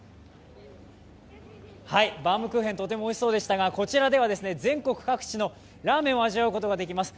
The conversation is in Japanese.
バウムクーヘンとてもおいしそうでしたが、こちらでは全国各地のラーメンを味わうことができます。